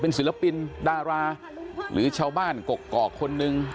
เป็นศิลปินดาราหรือเช่าบ้านกกกอกคนนึง